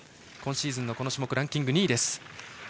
今シーズンのこの種目、ランキング２位です。